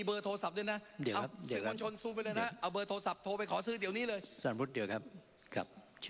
ประเด็นก็คือว่า